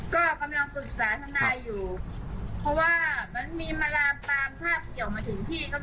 กำลังฝึกษาข้างหน้าอยู่เพราะว่ามีมะลาปาล์มถ้าเกี่ยวมาถึงพี่ก็มี